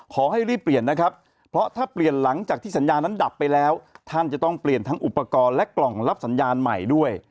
ขอให้รีบเปลี่ยนนะครับเพราะถ้าเปลี่ยนหลังจากที่สัญญานั้นดับไปแล้วท่านจะต้องเปลี่ยนทั้งอุปกรณ์และกล่องรับสัญญาณใหม่ด้วย